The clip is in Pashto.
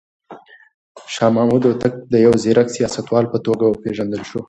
شاه محمود هوتک د يو ځيرک سياستوال په توګه وپېژندل شو.